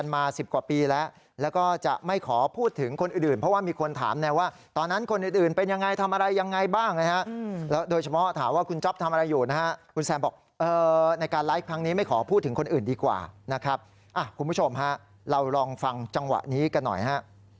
ไม่ขอพูดถึงคนอื่นเพราะว่ามีคนถามนะว่าตอนนั้นคนอื่นเป็นยังไงทำอะไรยังไงบ้างนะฮะโดยเฉพาะถามว่าคุณจ๊อบทำอะไรอยู่นะฮะคุณแซมบอกในการไลฟ์ครั้งนี้ไม่ขอพูดถึงคนอื่นดีกว่านะครับคุณผู้ชมฮะเราลองฟังจังหวะนี้กันหน่อยฮะ